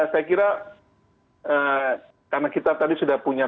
saya kira karena kita tadi sudah punya